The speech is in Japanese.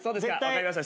分かりました。